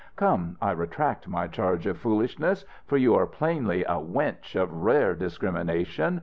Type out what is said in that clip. "Come, I retract my charge of foolishness, for you are plainly a wench of rare discrimination.